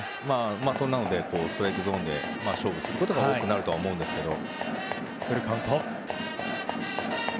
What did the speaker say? ストライクゾーンで勝負することが多くなるとは思うんですけど。